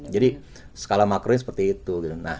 jadi skala makro seperti itu